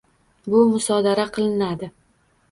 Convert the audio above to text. Bu musodara qilinadi.